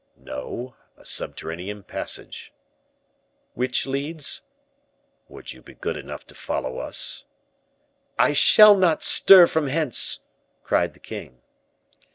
"No, a subterranean passage." "Which leads ?" "Will you be good enough to follow us?" "I shall not stir from hence!" cried the king.